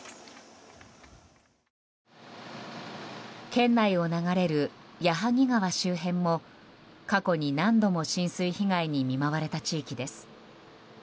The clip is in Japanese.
県内を流れる矢作川周辺も過去に何度も浸水被害に見舞われた地域です。